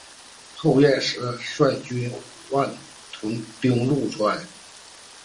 后燕时率军五万屯兵潞川。